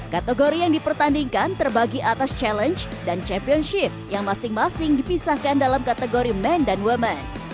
kategori yang dipertandingkan terbagi atas challenge dan championship yang masing masing dipisahkan dalam kategori man dan women